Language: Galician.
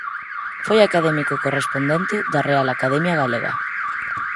Foi académico correspondente da Real Academia Galega.